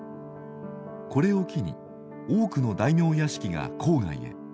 これを機に多くの大名屋敷が郊外へ。